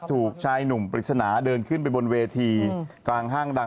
ถูกชายหนุ่มปริศนาเดินขึ้นไปบนเวทีกลางห้างดัง